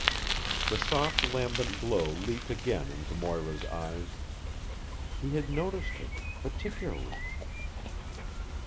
The soft lambent glow leaped again into Moira's eyes. He had noticed her particularly.